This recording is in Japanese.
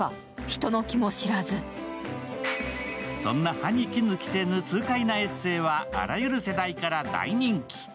歯に衣着せぬ痛快なエッセーはあらゆる世代から大人気。